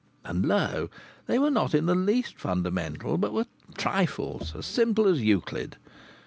And lo! They were not in the least fundamental, but were trifles, as simple as Euclid.